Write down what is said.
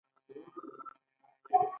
د مور او پلار مینه بې سارې وي.